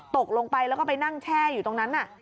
ตกลงไปแล้วก็ไปนั่งแช่อยู่ตรงนั้น